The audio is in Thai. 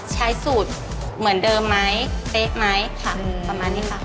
ใช้สูตรเหมือนเดิมไหมเป๊ะไหมค่ะประมาณนี้ค่ะ